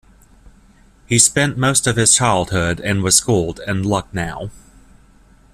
He spent most of his childhood and was schooled in Lucknow.